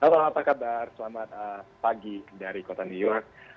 halo apa kabar selamat pagi dari kota new york